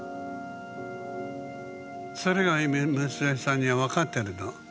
それが娘さんには分かってるの。